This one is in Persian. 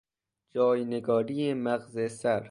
جاینگاری مغز سر